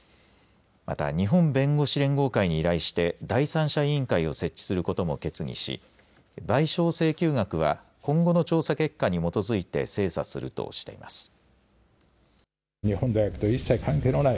また日本弁護士連合会に依頼して第三者委員会を設置することも決議し賠償請求額は今後の調査結果に基づいて精査するとしています。